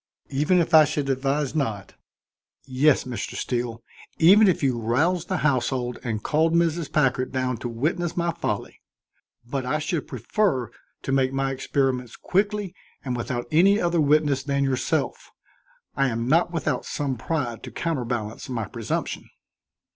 "Even if I should advise not?" "Yes, Mr. Steele; even if you roused the household and called Mrs. Packard down to witness my folly. But I should prefer to make my experiments quickly and without any other witness than yourself. I am not without some pride to counterbalance my presumption."